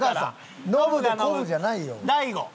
大悟。